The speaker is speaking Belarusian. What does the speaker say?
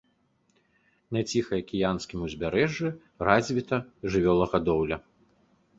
На ціхаакіянскім узбярэжжы развіта жывёлагадоўля.